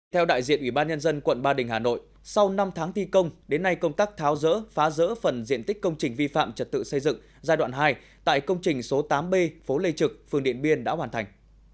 theo đại diện ủy ban nhân dân quận ba đình hà nội sau năm tháng thi công đến nay công tác tháo rỡ phá rỡ phần diện tích công trình vi phạm trật tự xây dựng giai đoạn hai tại công trình số tám b phố lê trực phường điện biên đã hoàn thành